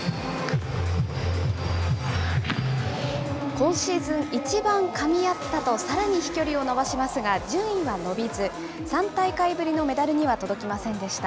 今シーズン一番かみ合ったと、さらに飛距離を伸ばしますが、順位は伸びず、３大会ぶりのメダルには届きませんでした。